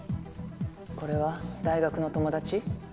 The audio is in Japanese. これは大学の友達？